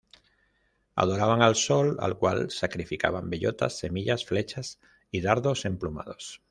Adoraban al sol, al cual sacrificaban bellotas, semillas, flechas y dardos emplumados.